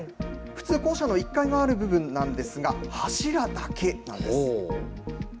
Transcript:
普通、校舎の１階がある部分なんですが、柱だけなんです。